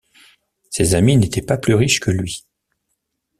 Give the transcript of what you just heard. Ses amis n’étaient pas plus riches que lui.